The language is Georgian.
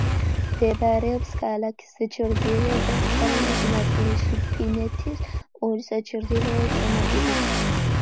მდებარეობს ქალაქის ჩრდილო-დასავლეთ ნაწილში, ფინეთის ყურის ჩრდილოეთ სანაპიროზე.